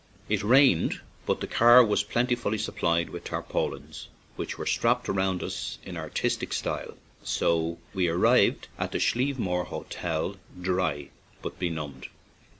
It rained, but the car was plentifully supplied with tarpaulins, which were strapped round us in artistic style, and so we arrived at the Slievemore Hotel dry but benumb ed.